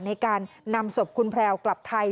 ในการนำศพคุณแพรวกลับไทย